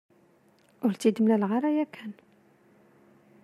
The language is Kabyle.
Ur t-id-mlaleɣ ara yakan.